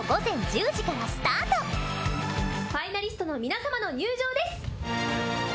ファイナリストの皆様の入場です。